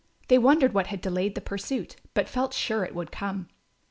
They wondered what had delayed the pursuit, but felt sure it would come.